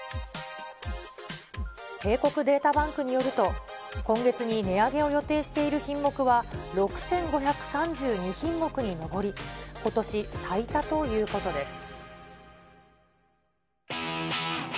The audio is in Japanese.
帝国データバンクによると、今月に値上げを予定している品目は６５３２品目に上り、ことし最多ということです。